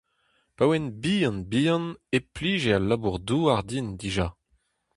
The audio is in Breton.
Pa oan bihan-bihan e plije al labour-douar din dija.